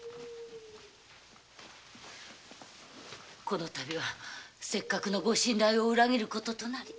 この度はせっかくの御信頼を裏切る事となり。